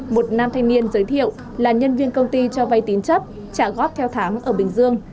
một nam thanh niên giới thiệu là nhân viên công ty cho vay tín chấp trả góp theo tháng ở bình dương